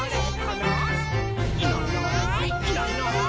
「いないいないいないいない」